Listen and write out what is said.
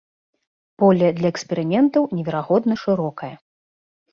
Поле для эксперыментаў неверагодна шырокае.